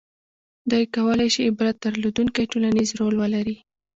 • دې کولای شي عبرت درلودونکی ټولنیز رول ولري.